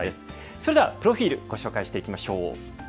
それではプロフィール、ご紹介していきましょう。